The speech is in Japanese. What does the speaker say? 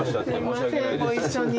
すいませんご一緒に。